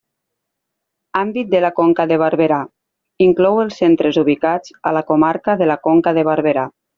Àmbit de la Conca de Barberà: inclou els centres ubicats a la comarca de la Conca de Barberà.